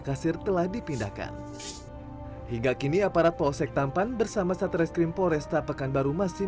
kasir telah dipindahkan hingga kini aparat polsek tampan bersama satreskrim polresta pekanbaru masih